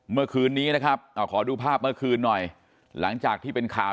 เมื่อคืนนี้นะครับขอดูภาพเมื่อคืนหน่อยหลังจากที่เป็นข่าว